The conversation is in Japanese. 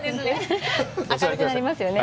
明るくなりますよね。